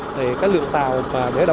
thì cái lượng tàu mà để đảm bảo